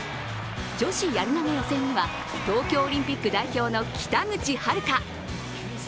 女子やり投げ予選には、東京オリンピック代表の北口榛花。